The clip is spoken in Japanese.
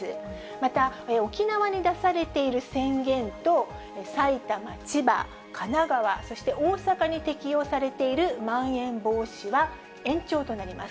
また、沖縄に出されている宣言と埼玉、千葉、神奈川、そして大阪に適用されているまん延防止は延長となります。